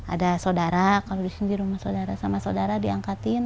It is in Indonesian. ada saudara kalau di sini rumah saudara sama saudara diangkatin